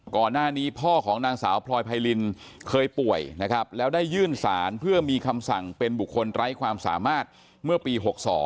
ก่อนหน้านี้พ่อของนางสาวพลอยไพรินเคยป่วยนะครับแล้วได้ยื่นสารเพื่อมีคำสั่งเป็นบุคคลไร้ความสามารถเมื่อปี๖๒